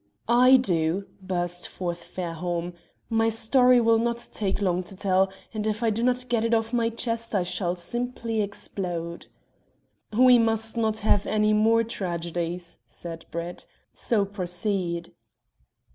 "I do," burst forth Fairholme. "My story will not take long to tell, and if I do not get it off my chest, I shall simply explode." "We must not have any more tragedies," said Brett, "so proceed."